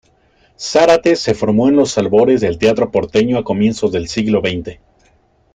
Zárate se formó en los albores del teatro porteño a comienzos del siglo xx.